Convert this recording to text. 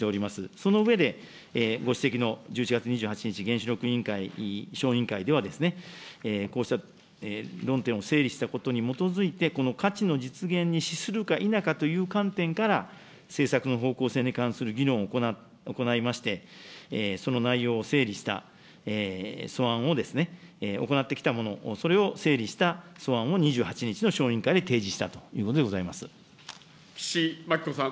その上で、ご指摘の１１月２８日、原子力委員会、小委員会では、こうした論点を整理したことに基づいて、この価値の実現に資するか否かという観点から、政策の方向性に関する議論を行いまして、その内容を整理した素案を、行ってきたものを、それを整理した素案を２８日の小委員会で提示したということでご岸真紀子さん。